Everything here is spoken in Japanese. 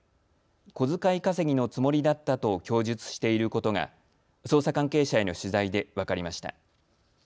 小遣い稼ぎのつもりだったと供述していることが捜査関係者への取材で分かりました。